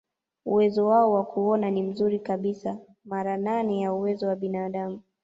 Uwezo wao wa kuona ni mzuri kabisa, mara nane ya uwezo wa binadamu.